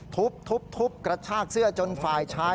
ทุบทุบทุบกระชากเสื้อจนฝ่ายชาย